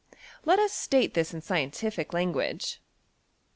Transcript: Let us state this in scientific language.